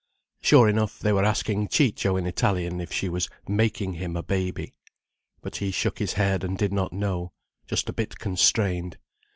Sure enough, they were asking Ciccio in Italian if she was "making him a baby." But he shook his head and did not know, just a bit constrained.